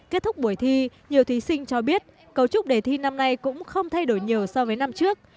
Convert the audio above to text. kết thúc buổi thi nhiều thí sinh cho biết cấu trúc đề thi năm nay cũng không thay đổi nhiều so với năm trước